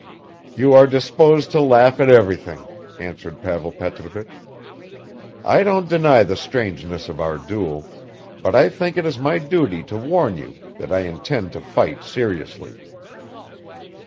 "You are disposed to laugh at everything," answered Pavel Petrovich. "I don't deny the strangeness of our duel, but I think it is my duty to warn you that I intend to fight seriously.